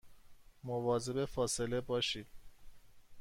مواظب فاصله باشید